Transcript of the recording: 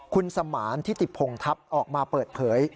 คุณสมานทิติพงทัพออกมาเปิดเผย